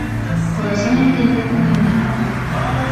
Ҡоҙасаң әйткәнде күңелеңә һал.